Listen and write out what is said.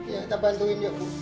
ya kita bantuin yuk